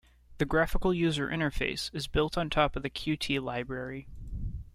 The graphical user interface is built on top of the Qt library.